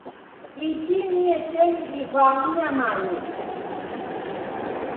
Iti ni yecheni ivaa mnyamanyi.